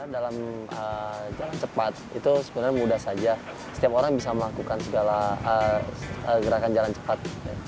dalam jalan cepat itu sebenarnya mudah saja setiap orang bisa melakukan segala gerakan jalan cepat